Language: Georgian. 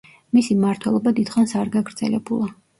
მისი მმართველობა დიდხანს არ გაგრძელებულა.